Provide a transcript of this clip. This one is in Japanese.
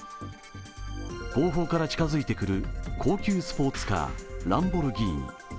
後方から近づいてくる高級スポーツカー、ランボルギーニ。